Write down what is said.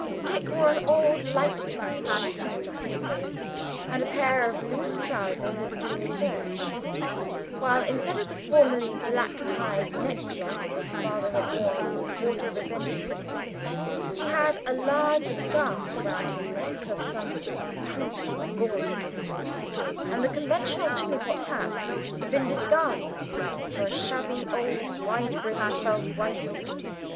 Dick wore an old light tweed shooting coat of his, and a pair of loose trousers of blue serge; while, instead of the formally tied black neckcloth his father had worn for a quarter of a century, he had a large scarf round his neck of some crude and gaudy colour; and the conventional chimney pot hat had been discarded for a shabby old wide brimmed felt wideawake.